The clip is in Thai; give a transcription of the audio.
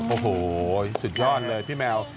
โอ้โหสุดยอดเลยพี่แมว